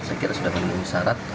saya kira sudah memenuhi syarat